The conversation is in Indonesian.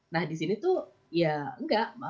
nah di sini tuh ya enggak